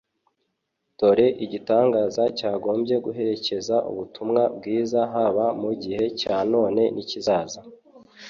Dore igitangaza cyagombye guherekeza ubutumwa bwiza haba mu gihe cya none n'ikizaza.